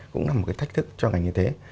cũng là một thách thức cho ngành như thế